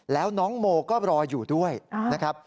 แล้วน้องโมก็รออยู่ด้วยนะครับ